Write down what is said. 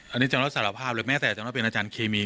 อันนี้จะรับสารภาพหรือแม้แต่จะมาเป็นอาจารย์เคมี